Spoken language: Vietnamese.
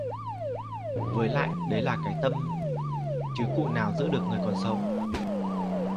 với lại đấy là cái tâm chứ cụ nào giữ được người còn sống